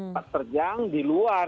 pak terjang di luar